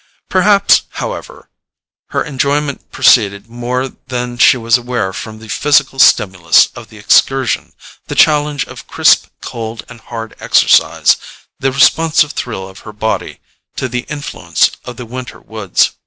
Perhaps, however, her enjoyment proceeded more than she was aware from the physical stimulus of the excursion, the challenge of crisp cold and hard exercise, the responsive thrill of her body to the influences of the winter woods.